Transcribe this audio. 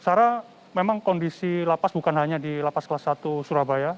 sarah memang kondisi lapas bukan hanya di lapas kelas satu surabaya